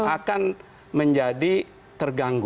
akan menjadi terganggu